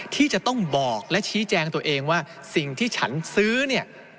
ที่จะต้องบอกและชี้แจงตัวเองว่าสิ่งที่ฉันซื้อเนี่ย